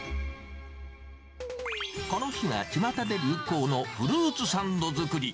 この日はちまたで流行のフルーツサンド作り。